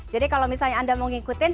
jadi kalau misalnya anda mau ngikutin